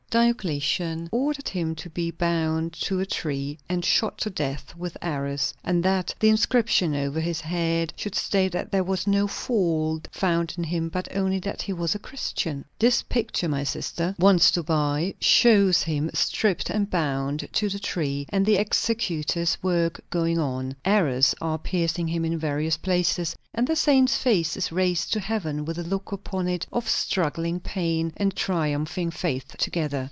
Diocletian ordered him to be bound to a tree and shot to death with arrows, and that the inscription over his head should state that there was no fault found in him but only that he was a Christian. This picture my sister wants to buy, shows him stripped and bound to the tree, and the executioner's work going on. Arrows are piercing him in various places; and the saint's face is raised to heaven with the look upon it of struggling pain and triumphing faith together.